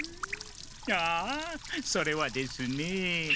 ああそれはですね。